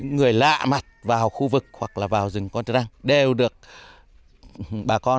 người lạ mặt vào khu vực hoặc là vào rừng con trư răng đều được bà con